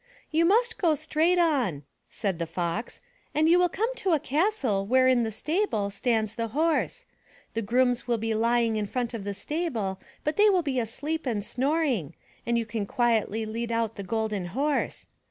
*'You must go straight on/* said the Fox, and you will come to a castle where in the stable, stands the horse. The grooms will be lying in front of the stable but they will be asleep and snoring, and you can quietly lead out the Golden Horse.